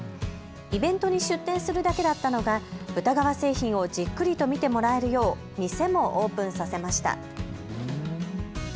イベントに出店するだけだったのが豚革製品をじっくりと見てもらえるよう店もオープンさせました。